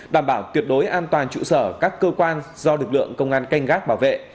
đảm bảo tuyệt đối an toàn trụ sở các cơ quan do lực lượng công an canh gác bảo vệ